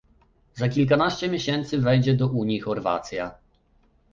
Za kilka miesięcy wejdzie do Unii Chorwacja